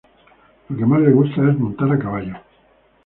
Lo que más le gusta es montar a caballo.